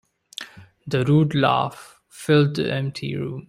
The rude laugh filled the empty room.